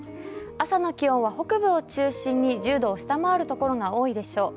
朝の気温は北部を中心に１０度を下回るところが多いでしょう。